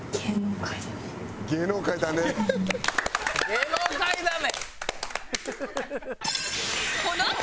「芸能界だね」！